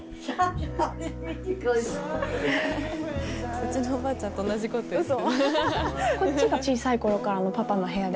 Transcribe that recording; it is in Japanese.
うちのおばあちゃんと同じこと言ってる。